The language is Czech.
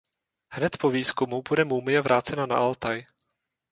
Hned po výzkumu bude mumie vrácena na Altaj.